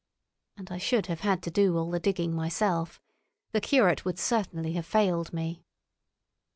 And I should have had to do all the digging myself. The curate would certainly have failed me.